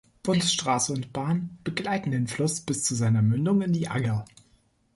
Bundesstraße und Bahn begleiten den Fluss bis zu seiner Mündung in die Agger.